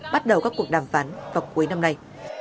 bắt đầu các cuộc đàm phán vào cuối năm nay